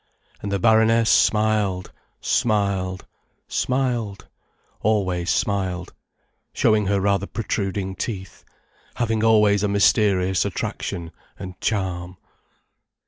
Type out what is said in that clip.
And the baroness smiled, smiled, smiled, always smiled, showing her rather protruding teeth, having always a mysterious attraction and charm.